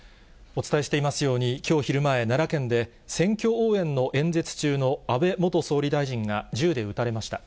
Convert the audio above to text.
お伝えしていますように、きょう昼前、奈良県で選挙応援の演説中の安倍元総理大臣が、銃で撃たれました。